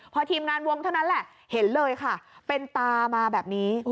พอทีมงานวงเท่านั้นแหละเห็นเลยค่ะเป็นตามาแบบนี้